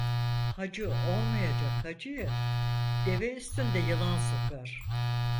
Hacı olmayacak hacıyı deve üstünde yılan sokar.